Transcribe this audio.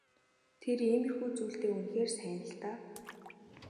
Тэр иймэрхүү зүйлдээ үнэхээр сайн л даа.